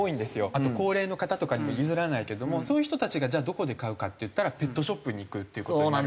あと高齢の方とかにも譲らないけどもそういう人たちがじゃあどこで飼うかっていったらペットショップに行くっていう事になる。